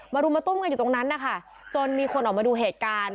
รุมมาตุ้มกันอยู่ตรงนั้นนะคะจนมีคนออกมาดูเหตุการณ์